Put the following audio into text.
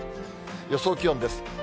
予想気温です。